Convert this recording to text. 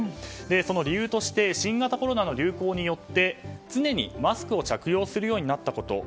その理由として新型コロナの流行によって常にマスクを着用するようになったこと。